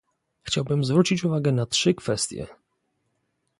Chciałbym zwrócić uwagę na trzy kwestie